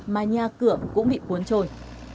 mà nhà cửa cũng bị cuốn trôi